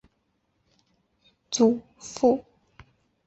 曾祖父郭景昭。